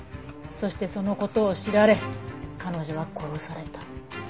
そしてその事を知られ彼女は殺された。